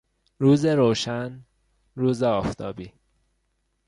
روز روشن، روز آفتابی